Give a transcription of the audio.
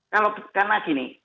kalau karena gini